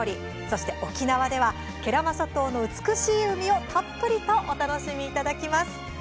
そして、沖縄では慶良間諸島の美しい海をたっぷりとお楽しみいただきます。